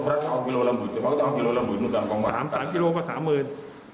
เพราะพระรัชน์เอากิโลละหมื่นจะมาก็จะเอากิโลละหมื่น